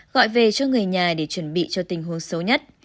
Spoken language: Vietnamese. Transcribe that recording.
gọi về cho người nhà để chuẩn bị cho tình huống xấu nhất